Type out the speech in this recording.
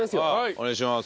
お願いします。